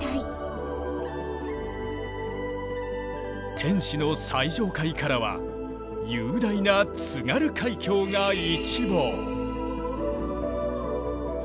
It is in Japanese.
天守の最上階からは雄大な津軽海峡が一望。